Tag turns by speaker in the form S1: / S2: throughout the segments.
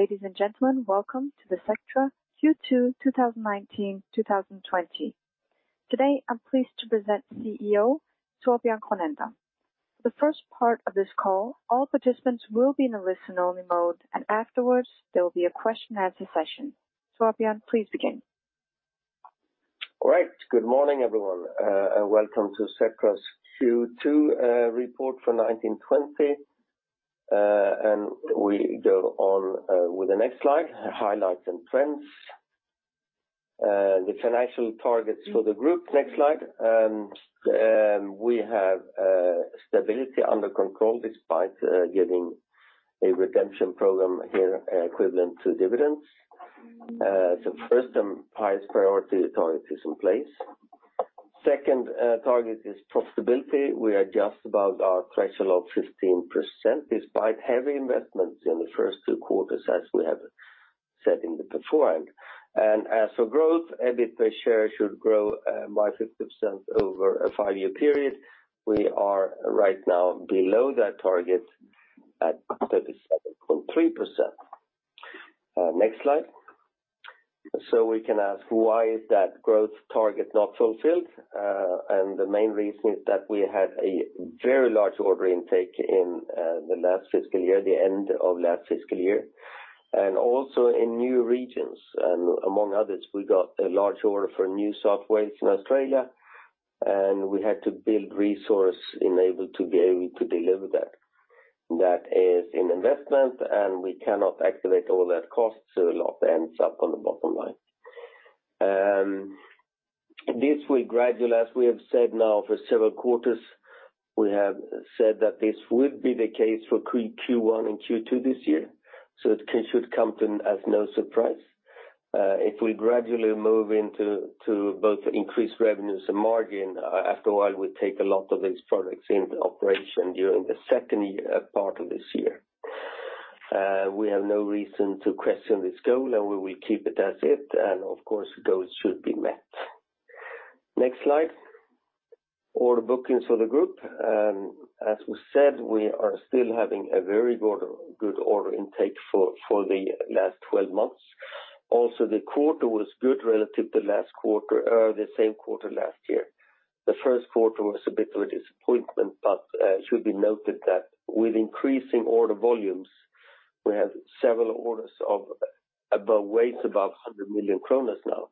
S1: Ladies and gentlemen, welcome to the Sectra Q2 2019-2020. Today, I'm pleased to present CEO Torbjörn Kronander. For the first part of this call, all participants will be in a listen-only mode, and afterwards, there will be a question-and-answer session. Torbjörn, please begin.
S2: All right. Good morning, everyone. Welcome to Sectra's Q2 report for 2020, and we go on with the next slide: highlights and trends. The financial targets for the group. Next slide. We have stability under control despite getting a redemption program here equivalent to dividends, so first, the highest priority target is in place. Second target is profitability. We are just above our threshold of 15% despite heavy investments in the first two quarters, as we have said in the before, and as for growth, EBITDA share should grow by 50% over a five-year period. We are right now below that target at 37.3%. Next slide, so we can ask, why is that growth target not fulfilled? And the main reason is that we had a very large order intake in the last fiscal year, the end of last fiscal year, and also in new regions. Among others, we got a large order for new software in Australia. We had to build resources in order to be able to deliver that. That is an investment, and we cannot activate all that cost, so a lot ends up on the bottom line. This will gradually, as we have said now for several quarters, we have said that this would be the case for Q1 and Q2 this year. It should come to us no surprise. If we gradually move into both increased revenues and margin, after a while, we take a lot of these products into operation during the second part of this year. We have no reason to question this goal, and we will keep it as it. Of course, goals should be met. Next slide. Order bookings for the group. As we said, we are still having a very good order intake for the last 12 months. Also, the quarter was good relative to the same quarter last year. The first quarter was a bit of a disappointment, but it should be noted that with increasing order volumes, we have several orders of ways above 100 million kronor now.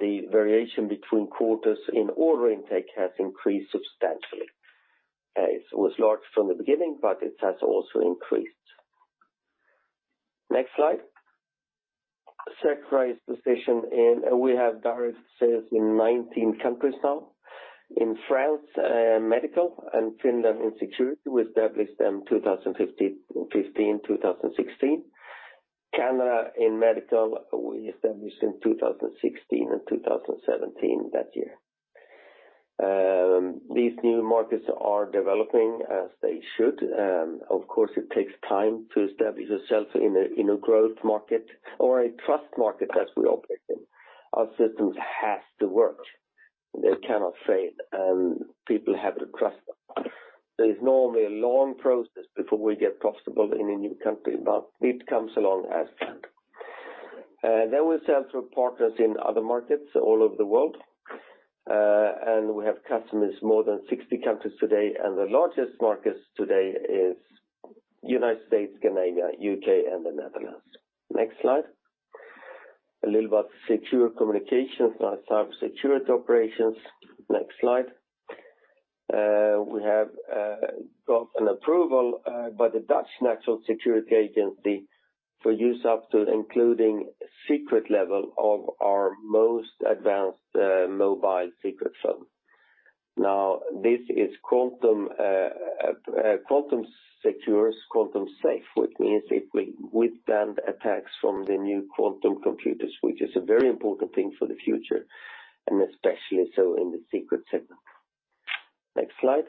S2: The variation between quarters in order intake has increased substantially. It was large from the beginning, but it has also increased. Next slide. Sectra is positioned in we have direct sales in 19 countries now. In France, Medical, and Finland in Security. We established them in 2015, 2016. Canada in Medical, we established in 2016 and 2017 that year. These new markets are developing as they should. Of course, it takes time to establish yourself in a growth market or a trust market that we operate in. Our systems have to work. They cannot fail, and people have to trust them. There is normally a long process before we get profitable in a new country, but it comes along as planned. Then we sell to our partners in other markets all over the world, and we have customers in more than 60 countries today, and the largest markets today are the United States, Canada, the U.K., and the Netherlands. Next slide. A little about Secure Communications and our cybersecurity operations. Next slide. We have got an approval by the Dutch National Security Agency for use up to including SECRET level of our most advanced mobile secret phone. Now, this is quantum-secure, quantum-safe, which means it will withstand attacks from the new quantum computers, which is a very important thing for the future, and especially so in the SECRET segment. Next slide.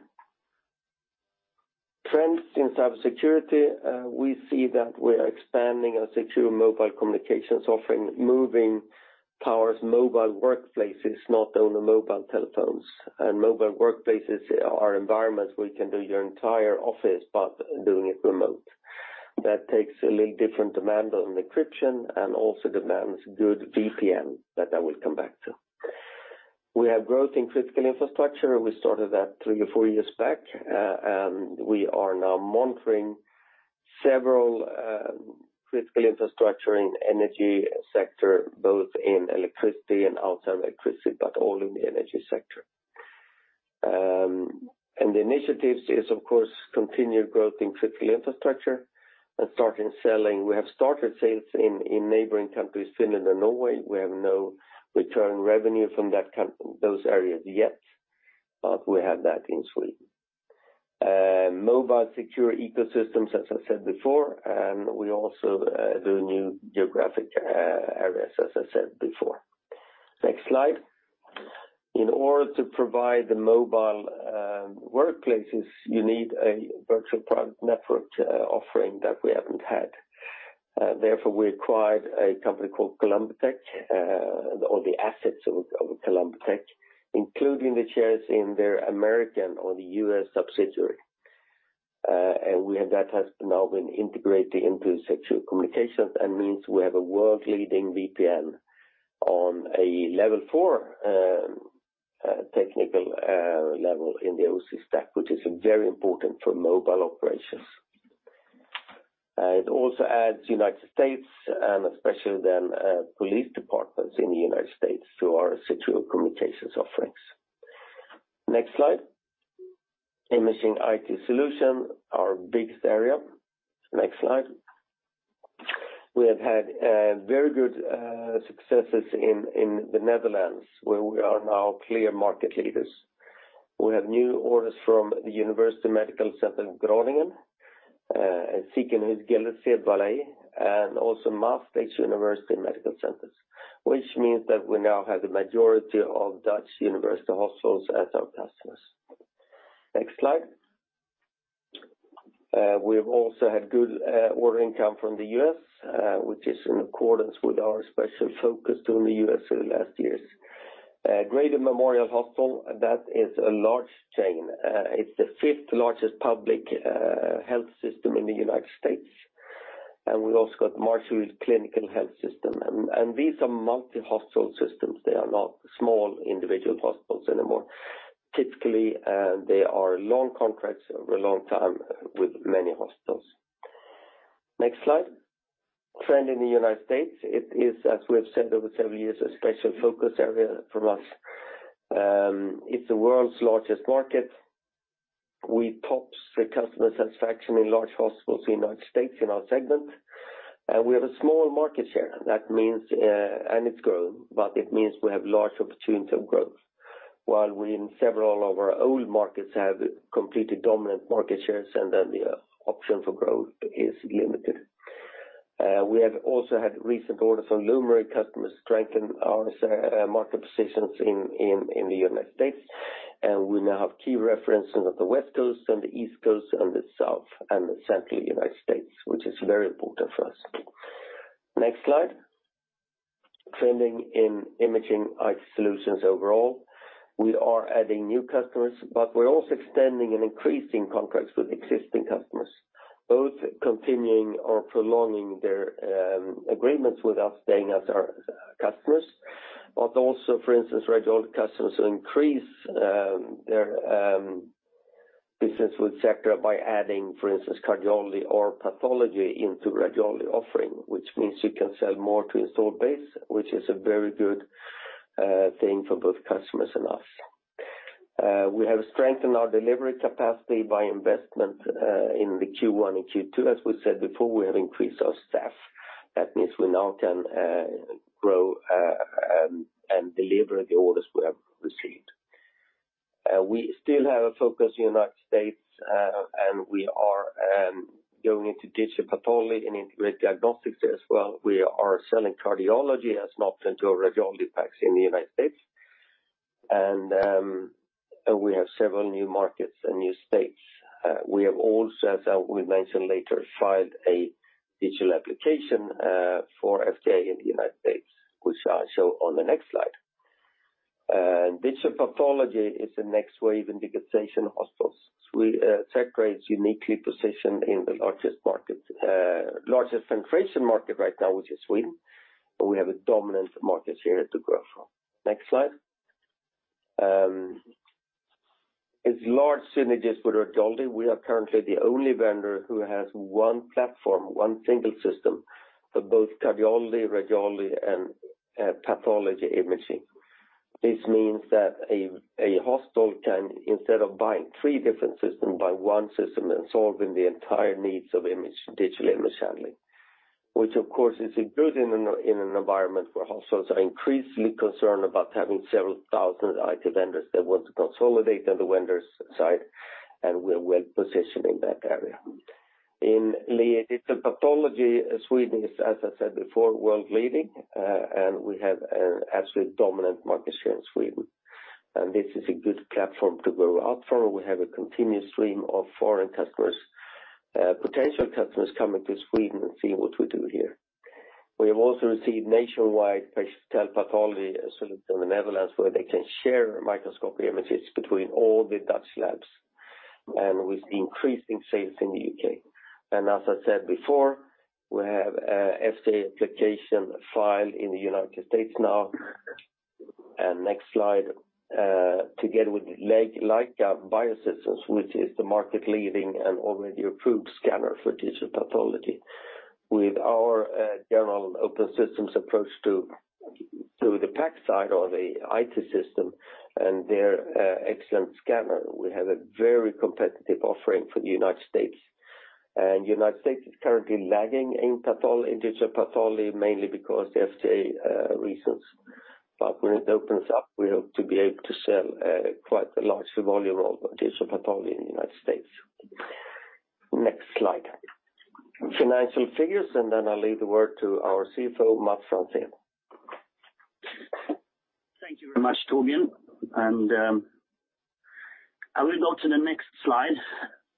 S2: Trends in cybersecurity. We see that we are expanding our secure mobile communications offering, moving towards mobile workplaces, not only mobile telephones, and mobile workplaces are environments where you can do your entire office, but doing it remote. That takes a little different demand on encryption and also demands good VPN, but I will come back to. We have growth in critical infrastructure. We started that three- or four-years back, and we are now monitoring several critical infrastructure in the energy sector, both in electricity and outside electricity, but all in the energy sector, and the initiatives is, of course, continued growth in critical infrastructure and starting selling. We have started sales in neighboring countries, Finland and Norway. We have no recurring revenue from those areas yet, but we have that in Sweden. Mobile secure ecosystems, as I said before, and we also do new geographic areas, as I said before. Next slide. In order to provide the mobile workplaces, you need a Virtual Private Network offering that we haven't had. Therefore, we acquired a company called Columbitech or the assets of Columbitech, including the shares in their American or the U.S. subsidiary. And that has now been integrated into Secure Communications and means we have a world-leading VPN on a level 4 technical level in the OSI stack, which is very important for mobile operations. It also adds United States and especially then police departments in the United States to our Secure Communications offerings. Next slide. Imaging IT Solutions, our biggest area. Next slide. We have had very good successes in the Netherlands, where we are now clear market leaders. We have new orders from the University Medical Center Groningen and Ziekenhuis Gelderse Vallei, and also Maastricht University Medical Center+, which means that we now have the majority of Dutch university hospitals as our customers. Next slide. We have also had good order income from the U.S., which is in accordance with our special focus during the U.S. last years. Grady Memorial Hospital, that is a large chain. It's the fifth-largest public health system in the United States. And we also got Marshfield Clinic Health System. And these are multi-hospital systems. They are not small individual hospitals anymore. Typically, they are long contracts over a long time with many hospitals. Next slide. Trend in the United States. It is, as we've said over several years, a special focus area for us. It's the world's largest market. We top the customer satisfaction in large hospitals in the United States in our segment, and we have a small market share. That means and it's growing, but it means we have large opportunities of growth. While we in several of our old markets have completely dominant market shares, and then the option for growth is limited. We have also had recent orders on luminary customers strengthen our market positions in the United States, and we now have key references on the West Coast and the East Coast and the South and the Central United States, which is very important for us. Next slide. Trending in Imaging IT Solutions overall. We are adding new customers, but we're also extending and increasing contracts with existing customers, both continuing or prolonging their agreements with us, staying as our customers, but also, for instance, Radiology customers who increase their business with Sectra by adding, for instance, Cardiology or Pathology into Radiology offering, which means you can sell more to install base, which is a very good thing for both customers and us. We have strengthened our delivery capacity by investment in the Q1 and Q2. As we said before, we have increased our staff. That means we now can grow and deliver the orders we have received. We still have a focus in the United States, and we are going into digital pathology and integrated diagnostics as well. We are selling Cardiology as an option to Radiology PACS in the United States. And we have several new markets and new states. We have also, as I will mention later, filed a digital application for FDA in the United States, which I'll show on the next slide. Digital pathology is the next wave in the digitization of hospitals. Sectra is uniquely positioned in the largest penetration market right now, which is Sweden. We have a dominant market share to grow from. Next slide. There are large synergies with Radiology. We are currently the only vendor who has one platform, one single system for both Cardiology, Radiology, and Pathology imaging. This means that a hospital can, instead of buying three different systems, buy one system and solve the entire needs of digital image handling, which, of course, is good in an environment where hospitals are increasingly concerned about having several thousand IT vendors that want to consolidate on the vendor's side, and we're well positioned in that area. In digital pathology, Sweden is, as I said before, world-leading, and we have an absolute dominant market share in Sweden, and this is a good platform to grow out from. We have a continuous stream of foreign customers, potential customers coming to Sweden and seeing what we do here. We have also received nationwide patient health pathology solution in the Netherlands, where they can share microscopy images between all the Dutch labs, and we see increasing sales in the U.K. And as I said before, we have FDA application filed in the United States now, and next slide. Together with Leica Biosystems, which is the market-leading and already approved scanner for digital pathology. With our general open systems approach to the PACS side or the IT system and their excellent scanner, we have a very competitive offering for the United States. The United States is currently lagging in digital pathology, mainly because of FDA reasons. But when it opens up, we hope to be able to sell quite a large volume of digital pathology in the United States. Next slide. Financial figures, and then I'll leave the word to our CFO, Mats Franzén.
S3: Thank you very much, Torbjörn. I will go to the next slide.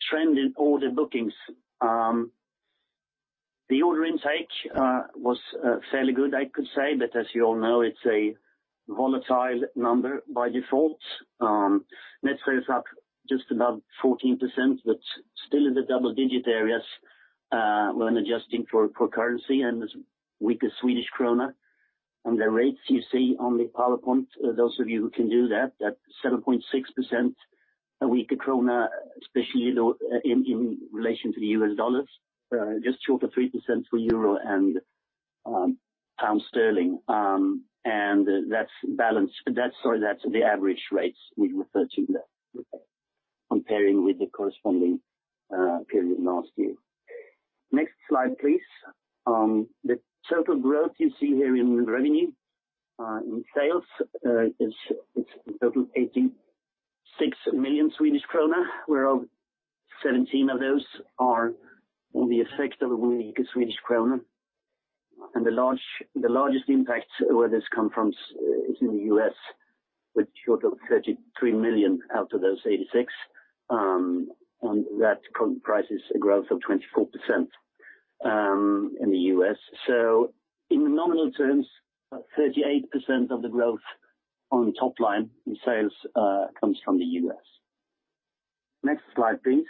S3: Trend in order bookings. The order intake was fairly good, I could say, but as you all know, it's a volatile number by default. Net sales are just above 14%, but still in the double-digit areas when adjusting for currency and weaker Swedish krona. The rates you see on the PowerPoint, those of you who can do that, that 7.6% a weaker krona, especially in relation to the U.S. dollars, just short of 3% for Euro and Pound Sterling. That's balanced. Sorry, that's the average rates we refer to there, comparing with the corresponding period last year. Next slide, please. The total growth you see here in revenue, in sales, it's a total of 86 million Swedish krona, whereof 17 of those are the effect of a weaker Swedish krona. And the largest impact where this comes from is in the U.S., with a share of 33 million out of those 86. And that comprises a growth of 24% in the U.S. So in nominal terms, 38% of the growth on top line in sales comes from the U.S. Next slide, please.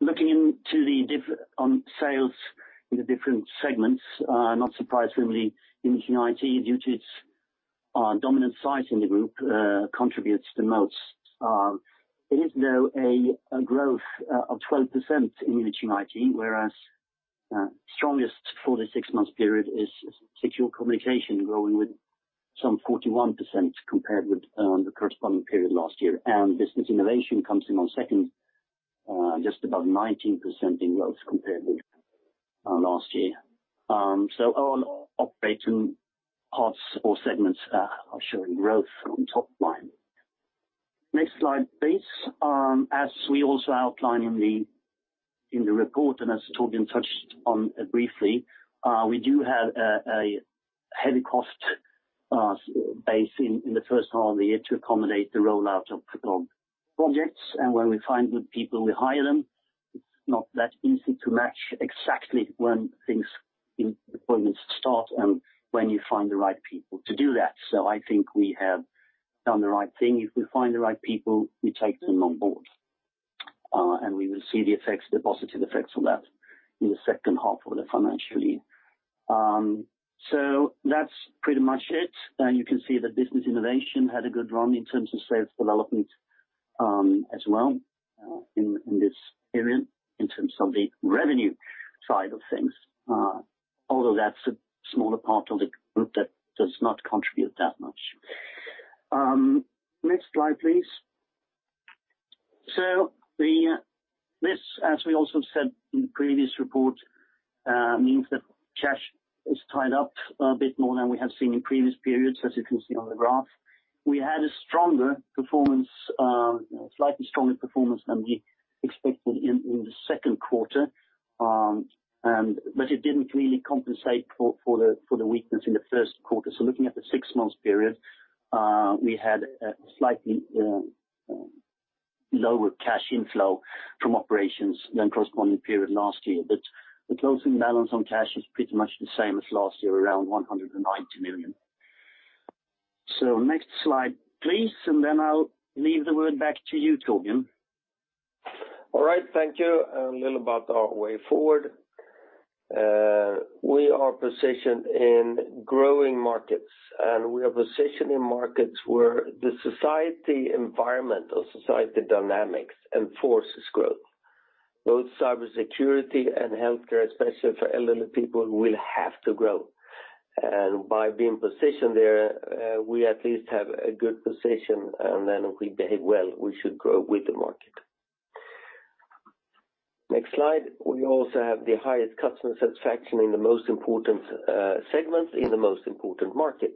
S3: Looking into the sales in the different segments, not surprisingly, Imaging IT, due to its dominant size in the group, contributes the most. It is, though, a growth of 12% in Imaging IT, whereas the strongest four- to six-month period is Secure Communications, growing with some 41% compared with the corresponding period last year, and Business Innovation comes in on second, just above 19% in growth compared with last year, so all operating parts or segments are showing growth on top line. Next slide, please. As we also outlined in the report, and as Torbjörn touched on briefly, we do have a heavy cost base in the first half of the year to accommodate the rollout of projects, and when we find good people, we hire them. It's not that easy to match exactly when things in employment start and when you find the right people to do that, so I think we have done the right thing. If we find the right people, we take them on board. We will see the effects, the positive effects on that in the second half of the financial year. So that's pretty much it. And you can see that Business Innovation had a good run in terms of sales development as well in this period in terms of the revenue side of things, although that's a smaller part of the group that does not contribute that much. Next slide, please. So this, as we also said in the previous report, means that cash is tied up a bit more than we have seen in previous periods, as you can see on the graph. We had a stronger performance, slightly stronger performance than we expected in the second quarter, but it didn't really compensate for the weakness in the first quarter. So looking at the six-month period, we had a slightly lower cash inflow from operations than the corresponding period last year. But the closing balance on cash is pretty much the same as last year, around 190 million. So next slide, please. And then I'll leave the word back to you, Torbjörn.
S2: All right. Thank you. A little about our way forward. We are positioned in growing markets. And we are positioned in markets where the society environment or society dynamics enforces growth. Both cybersecurity and healthcare, especially for elderly people, will have to grow. And by being positioned there, we at least have a good position, and then if we behave well, we should grow with the market. Next slide. We also have the highest customer satisfaction in the most important segments in the most important market,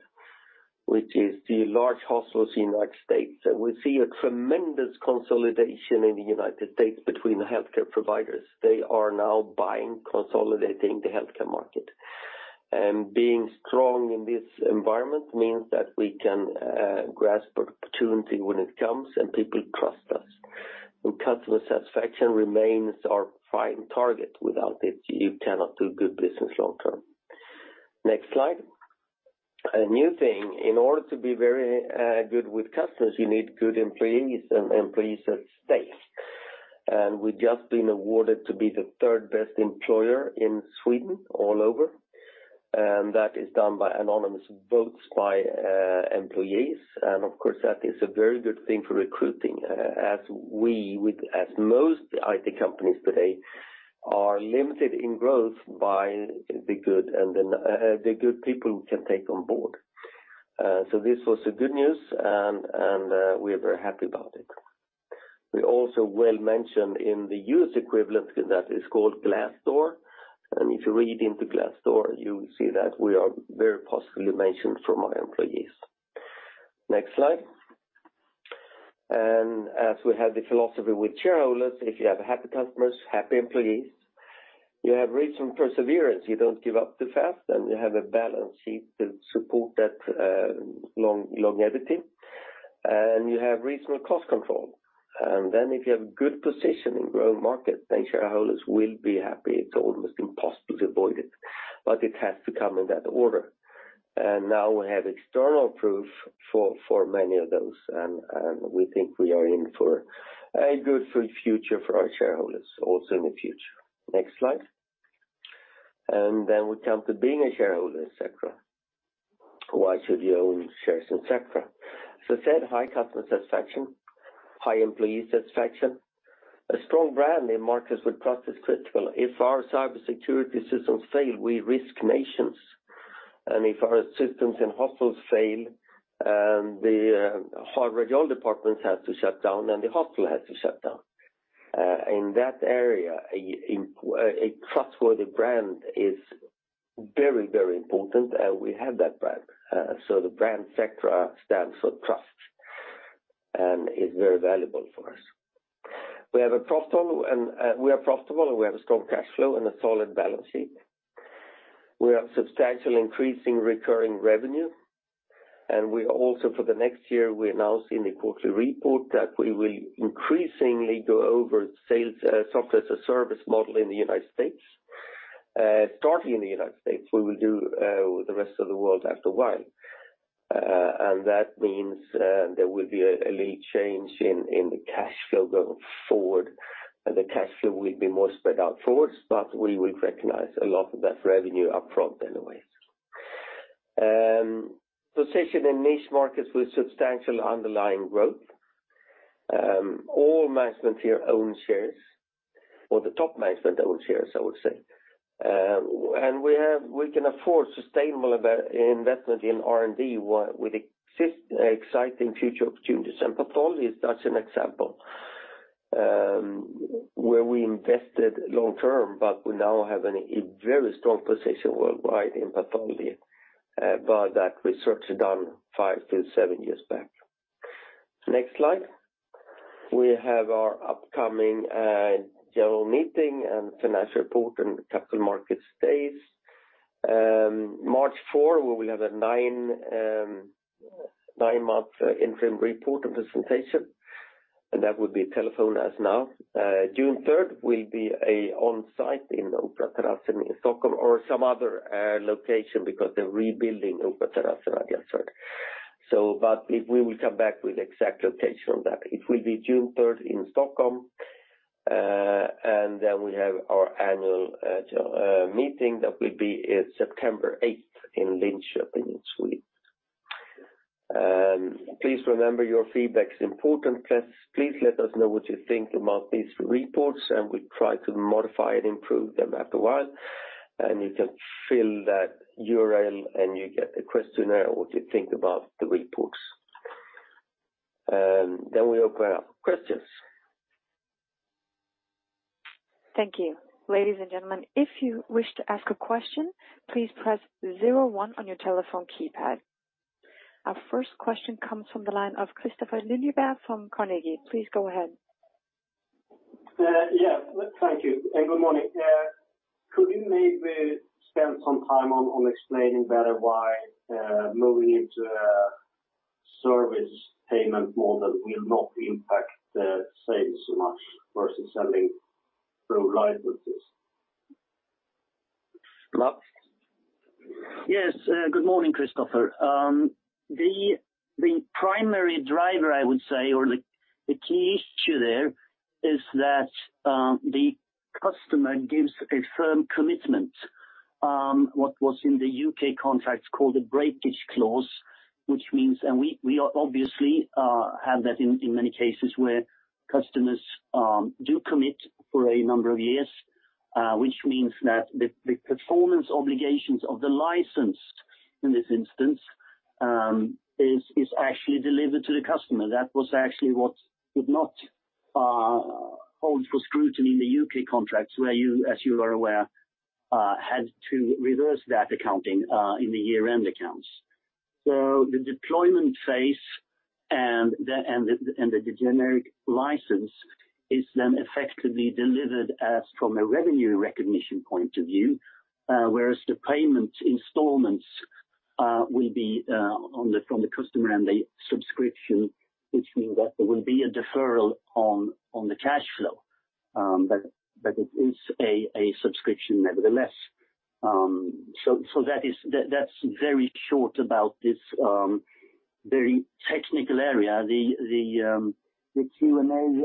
S2: which is the large hospitals in the United States. And we see a tremendous consolidation in the United States between the healthcare providers. They are now buying, consolidating the healthcare market. And being strong in this environment means that we can grasp opportunity when it comes, and people trust us. And customer satisfaction remains our prime target. Without it, you cannot do good business long-term. Next slide. A new thing. In order to be very good with customers, you need good employees and employees at stake. And we've just been awarded to be the third best employer in Sweden all over. And that is done by anonymous votes by employees. And of course, that is a very good thing for recruiting, as we, as most IT companies today, are limited in growth by the good people we can take on board. So this was good news, and we are very happy about it. We're also well mentioned in the U.S. equivalent that is called Glassdoor. And if you read into Glassdoor, you will see that we are very positively mentioned by our employees. Next slide. And as we have the philosophy with shareholders, if you have happy customers, happy employees, you have reasonable perseverance. You don't give up too fast, and you have a balance sheet to support that longevity. And you have reasonable cost control. And then if you have a good position in growing markets, then shareholders will be happy. It's almost impossible to avoid it, but it has to come in that order. And now we have external proof for many of those, and we think we are in for a good future for our shareholders also in the future. Next slide. And then we come to being a shareholder in Sectra. Why should you own shares in Sectra? As I said, high customer satisfaction, high employee satisfaction, a strong brand in markets with trust is critical. If our cybersecurity systems fail, we risk nations, and if our systems and hospitals fail, the heart radiology departments have to shut down, and the hospital has to shut down. In that area, a trustworthy brand is very, very important, and we have that brand, so the brand Sectra stands for trust and is very valuable for us. We have a profitable, and we are profitable, and we have a strong cash flow and a solid balance sheet. We have substantial increasing recurring revenue, and we also, for the next year, we announced in the quarterly report that we will increasingly go over sales Software as a Service model in the United States, starting in the United States. We will do the rest of the world after a while. That means there will be a little change in the cash flow going forward. The cash flow will be more spread out forward, but we will recognize a lot of that revenue upfront anyways. Position in niche markets with substantial underlying growth. All management here own shares, or the top management own shares, I would say. We can afford sustainable investment in R&D with exciting future opportunities. Pathology is such an example where we invested long-term, but we now have a very strong position worldwide in pathology by that research done five- to seven-years back. Next slide. We have our upcoming general meeting and financial report and Capital Markets Days. March 4, we will have a nine-month interim report and presentation. That will be telephone as now. June 3rd will be an on-site in Operaterrassen in Stockholm or some other location because they're rebuilding Operaterrassen right yesterday. But we will come back with the exact location on that. It will be June 3rd in Stockholm. And then we have our Annual General Meeting that will be September 8th in Linköping in Sweden. Please remember your feedback is important. Please let us know what you think about these reports, and we'll try to modify and improve them after a while. And you can fill that URL, and you get a questionnaire of what you think about the reports. Then we open up questions.
S1: Thank you. Ladies and gentlemen, if you wish to ask a question, please press zero-one on your telephone keypad. Our first question comes from the line of Kristofer Liljeberg from Carnegie. Please go ahead.
S4: Yes. Thank you. And good morning. Could you maybe spend some time on explaining better why moving into a service payment model will not impact sales so much versus selling through licenses?
S2: Yes. Good morning, Kristofer. The primary driver, I would say, or the key issue there is that the customer gives a firm commitment—what was in the U.K. contracts called a breakage clause, which means, and we obviously have that in many cases where customers do commit for a number of years, which means that the performance obligations of the licensed in this instance are actually delivered to the customer. That was actually what did not hold for scrutiny in the U.K. contracts, where you, as you are aware, had to reverse that accounting in the year-end accounts. So the deployment phase and the generic license is then effectively delivered from a revenue recognition point of view, whereas the payment installments will be from the customer and the subscription, which means that there will be a deferral on the cash flow. But it is a subscription nevertheless. So that's very short about this very technical area. The Q&A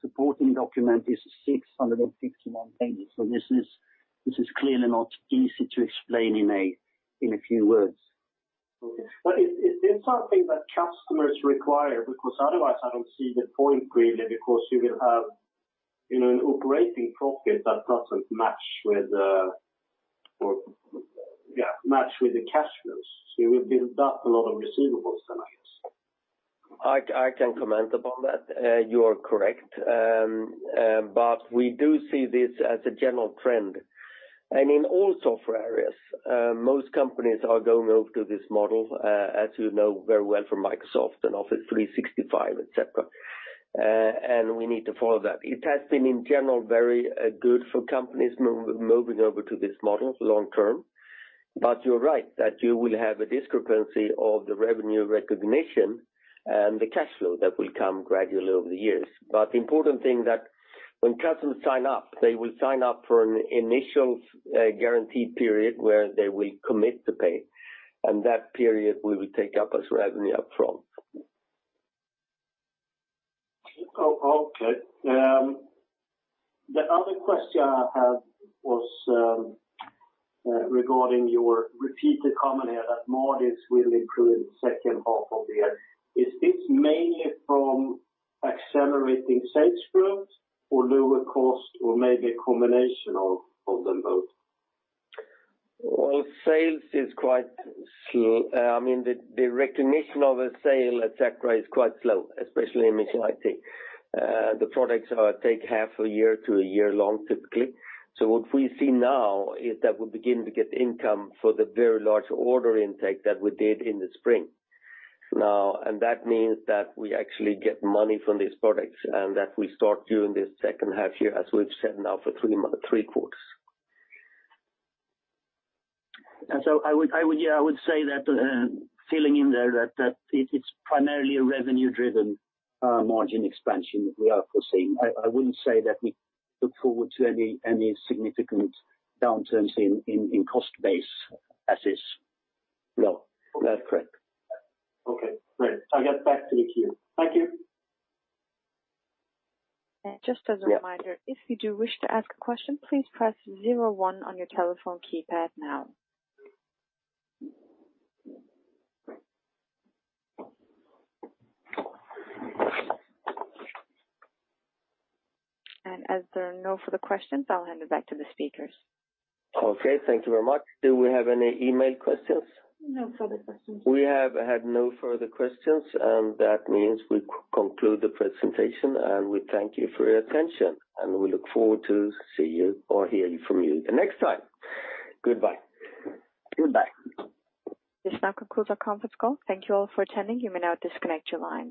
S2: supporting document is 661 pages. So this is clearly not easy to explain in a few words. But it's something that customers require because otherwise I don't see the point really because you will have an operating profit that doesn't match with the cash flows. So you will build up a lot of receivables then, I guess. I can comment upon that. You are correct. But we do see this as a general trend. And in all software areas, most companies are going over to this model, as you know very well from Microsoft and Office 365, etc. And we need to follow that. It has been, in general, very good for companies moving over to this model long-term. But you're right that you will have a discrepancy of the revenue recognition and the cash flow that will come gradually over the years. But the important thing that when customers sign up, they will sign up for an initial guaranteed period where they will commit to pay. And that period we will take up as revenue upfront.
S4: Okay. The other question I have was regarding your repeated comment here that margins will improve in the second half of the year. Is this mainly from accelerating sales growth or lower cost, or maybe a combination of them both?
S2: Sales is quite, I mean, the recognition of a sale, etc., is quite slow, especially in Imaging IT. The products take half a year to a year long typically. So what we see now is that we begin to get income for the very large order intake that we did in the spring. And that means that we actually get money from these products and that we start during this second half-year, as we've said now for three quarters. And so I would say that filling in there that it's primarily a revenue-driven margin expansion we are foreseeing. I wouldn't say that we look forward to any significant downturns in cost base as is. No, that's correct.
S4: Okay. Great. I'll get back to the queue. Thank you.
S1: And just as a reminder, if you do wish to ask a question, please press zero-one on your telephone keypad now. As there are no further questions, I'll hand it back to the speakers.
S2: Okay. Thank you very much. Do we have any email questions?
S1: No further questions.
S2: We have had no further questions. That means we conclude the presentation. We thank you for your attention. We look forward to seeing you or hearing from you the next time. Goodbye.
S1: Goodbye. This now concludes our conference call. Thank you all for attending. You may now disconnect your line.